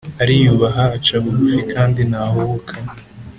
ariyubaha acabugufi kandi ntahubuka,